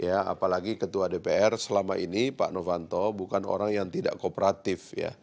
apalagi ketua dpr selama ini pak novanto bukan orang yang tidak kooperatif